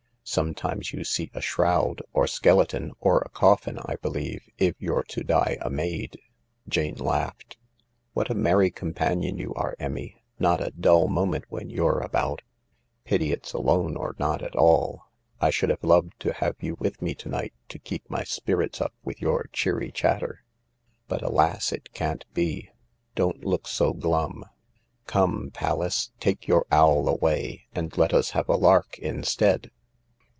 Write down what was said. Sometimes you see a shroud, or skeleton, or a coffin, I believe, if you're to die a maid." Jane laughed. 11 What a merry companion you are, Emmy ; not a dull moment when you're about ! Pity it's alone or not at all. I should have loved to have you with me to night to keep my spirits up with your cheery chatter. But, alas I it can't be. Don't look so glum. * Come, Pallas, take your owl away, And let us have a lark instead